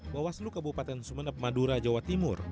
bawaslu kabupaten sumeneb madura jawa timur